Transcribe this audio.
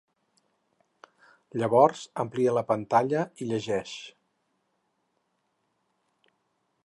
Llavors amplia la pantalla i llegeix.